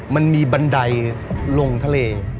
มันมีบันไดลงทะเล